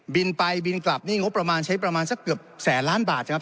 บินไปบินกลับนี่งบประมาณใช้ประมาณสักเกือบแสนล้านบาทครับ